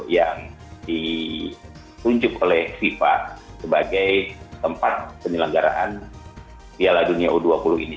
yang ditunjuk oleh fifa sebagai tempat penyelenggaraan piala dunia u dua puluh ini